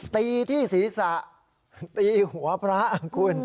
ตีที่ศีรษะตีหัวพระคุณ